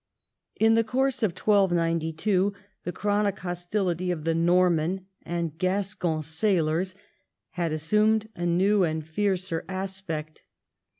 In the course of 1292, the chronic hostility of the Norman and Gascon sailors had assumed a new and fiercer aspect.